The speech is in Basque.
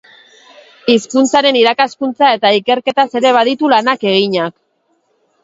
Hizkuntzaren irakaskuntza eta ikerketaz ere baditu lanak eginak.